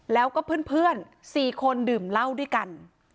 แล้วก็เพื่อน๔คนดื่มเหล้าด้วยกัน